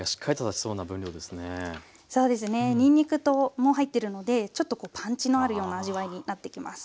そうですねにんにくも入ってるのでちょっとこうパンチのあるような味わいになってきます。